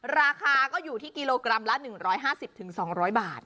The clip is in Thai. ราคาก็อยู่ที่กิโลกรัมละ๑๕๐๒๐๐บาท